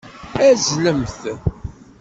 Azzlemt!